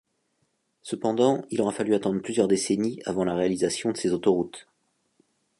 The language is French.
Cependant, il aura fallu attendre plusieurs décennies avant la réalisation de ces autoroutes.